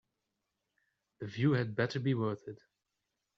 The view had better be worth it.